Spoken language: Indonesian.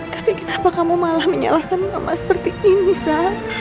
tapi kenapa kamu malah menyalahkan mama seperti ini bisa